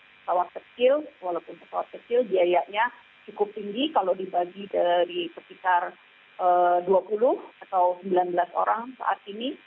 pesawat kecil walaupun pesawat kecil biayanya cukup tinggi kalau dibagi dari sekitar dua puluh atau sembilan belas orang saat ini